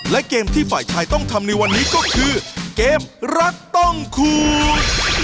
และเกมที่ฝ่ายชายต้องทำในวันนี้ก็คือเกมรักต้องคูณ